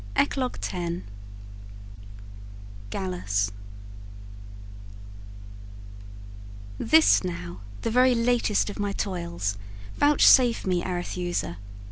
ECLOGUE X GALLUS This now, the very latest of my toils, Vouchsafe me, Arethusa!